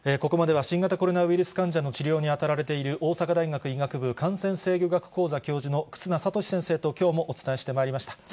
ここまでは新型コロナウイルス患者の治療に当たられている、大阪大学医学部感染制御学講座教授の忽那賢志先生ときょうもお伝えしてまいりました。